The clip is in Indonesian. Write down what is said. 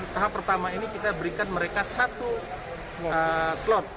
tahap pertama ini kita berikan mereka satu slot